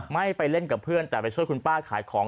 ไม่ไปเล่นกับเพื่อนแต่ไปช่วยคุณป้าขายของ